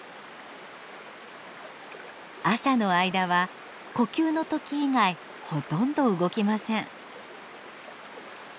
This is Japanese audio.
朝の間は呼吸の時以外ほとんど動きません。